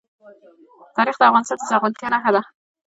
تاریخ د افغانستان د زرغونتیا نښه ده.